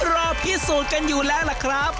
รอพิสูจน์กันอยู่แล้วล่ะครับ